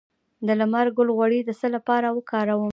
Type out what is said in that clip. د لمر ګل غوړي د څه لپاره وکاروم؟